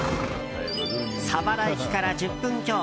佐原駅から１０分強。